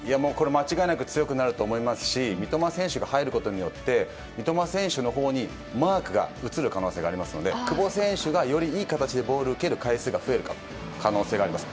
間違いなく強くなると思いますし三笘選手が入ることによって三笘選手のほうにマークが移る可能性がありますので久保選手がよりいい形でボールを蹴る回数が増える可能性があります。